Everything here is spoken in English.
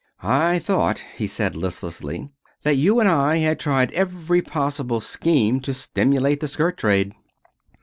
"I thought," he said listlessly, "that you and I had tried every possible scheme to stimulate the skirt trade."